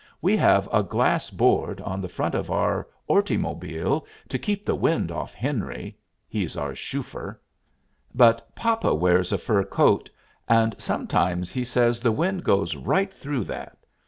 "We have a glass board on the front of our ortymobile to keep the wind off Henry he's our shuffer but papa wears a fur coat, and sometimes he says the wind goes right through that.